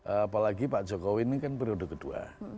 apalagi pak jokowi ini kan periode kedua